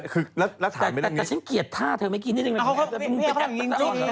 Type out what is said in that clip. คือนักฐานไม่ได้แน่นานที่นี้